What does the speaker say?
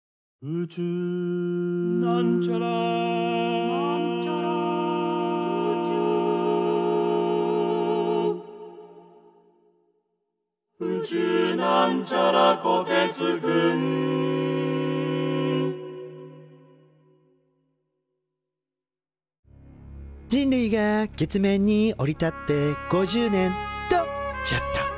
「宇宙」人類が月面に降り立って５０年。とちょっと。